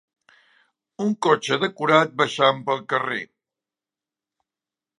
Un cotxe decorat baixant pel carrer.